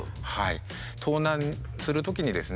盗難するときにですね